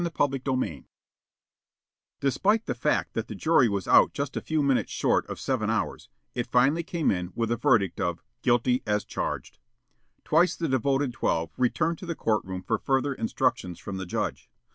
CHAPTER SIX Despite the fact that the jury was out just a few minutes short of seven hours, it finally came in with a verdict "guilty as charged." Twice the devoted twelve returned to the court room for further instructions from the judge.